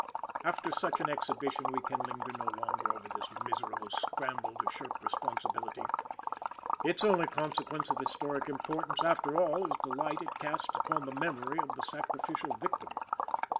After such an exhibition, we can linger no longer over this miserable scramble to shirk responsibility. Its only consequence of historic importance, after all, is the light it casts upon the memory of the sacrificial victim.